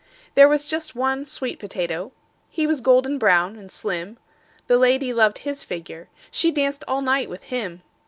"There was just one sweet potato. He was golden brown and slim: The lady loved his figure. She danced all night with him.